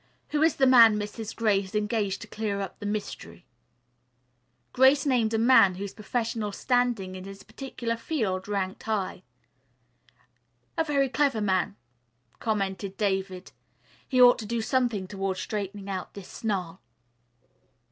Who is the man Mrs. Gray has engaged to clear up the mystery?" Grace named a man whose professional standing in his particular field ranked high. "A very clever man," commented David. "He ought to do something toward straightening out this snarl."